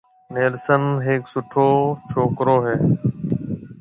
نيلسن ھيَََڪ سُٺو ڇوڪرو ھيََََ